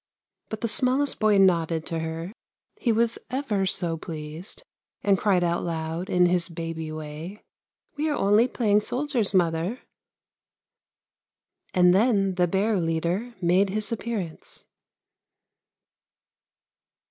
But the smallest boy nodded to her, he was ever so pleased, and cried out loud, in his baby way, ' We are only playing soldiers, mother.' And then the bear leader made his appearance."